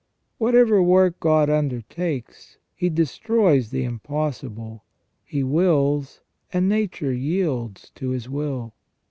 "* Whatever work God undertakes. He destroys the impossible. He wills, and nature yields to His will.